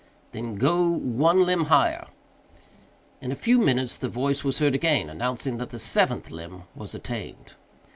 "Then go one limb higher." In a few minutes the voice was heard again, announcing that the seventh limb was attained.